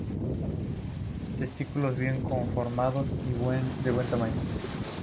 Testículos bien conformados y de buen tamaño.